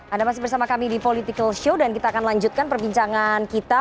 anda masih bersama kami di political show dan kita akan lanjutkan perbincangan kita